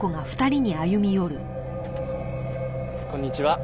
こんにちは。